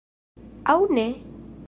Aŭ ne?